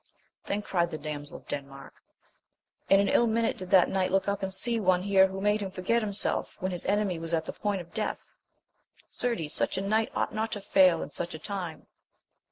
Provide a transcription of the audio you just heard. Then cried the damsel of Denmark, In an ill minute did that knight look up and see one here who made him forget himself when his enemy was at the point of death ! Certes such a knight ought not to fail in such a time